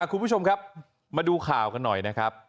คุณผู้ชมครับมาดูข่าวกันหน่อยนะครับ